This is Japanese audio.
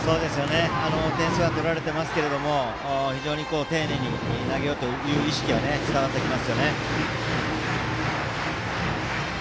点数は取られてますけど非常に丁寧に投げようという意識は伝わってきますよね。